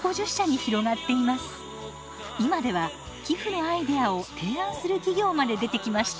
今では寄付のアイデアを提案する企業まで出てきました。